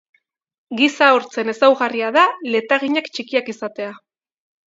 Giza hortzen ezaugarria da letaginak txikiak izatea.